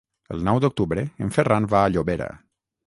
El nou d'octubre en Ferran va a Llobera.